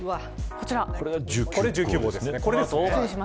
これは１９号ですね。